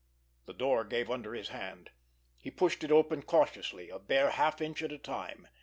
The door gave under his hand. He pushed it open cautiously, a bare half inch at a time.